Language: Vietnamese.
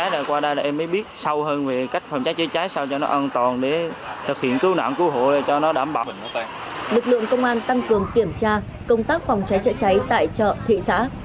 lực lượng công an tăng cường kiểm tra công tác phòng cháy chữa cháy tại chợ thị xã